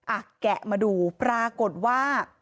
อ่ะแกะมาดูปรากฏว่า